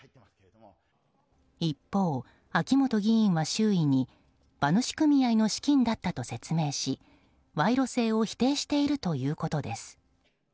一方、秋本議員は周囲に馬主組合の資金だったと説明しわいろ性を否定しているということです。